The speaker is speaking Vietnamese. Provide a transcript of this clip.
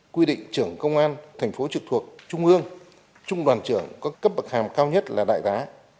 quy định trưởng công an thành phố trực thuộc trung ương trung đoàn trưởng có cấp bậc hàm cao nhất là đại tá